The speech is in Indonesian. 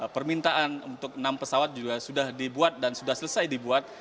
permintaan untuk enam pesawat juga sudah dibuat dan sudah selesai dibuat